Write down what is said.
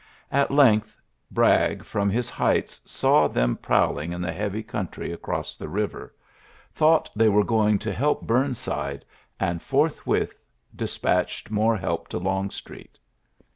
At length Bragg from his heights saw them prowling in the heavy country across the river, thought they were going to help Burnside, and forthwith despatched WUm help to Longstreet.